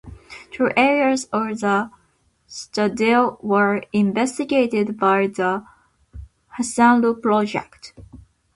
Two areas of the citadel were investigated by the Hasanlu Project.